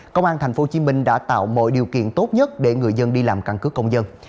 công an tp hcm đã tạo mọi điều kiện tốt nhất để người dân đi làm căn cứ công dân